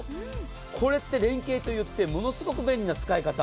これって連携といってものすごく便利な使い方。